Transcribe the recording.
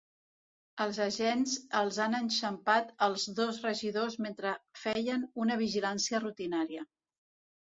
Els agents els han enxampat els dos regidors mentre feien una vigilància rutinària.